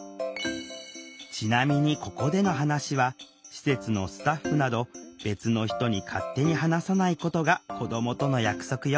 ちなみにここでの話は施設のスタッフなど別の人に勝手に話さないことが子どもとの約束よ。